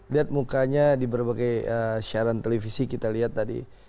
lihat mukanya di berbagai siaran televisi kita lihat tadi